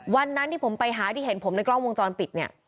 วันนั้นที่ผมไปหาที่เห็นผมในกล้องวงจรปิดเนี่ย